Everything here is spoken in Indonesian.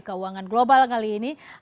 keuangan global kali ini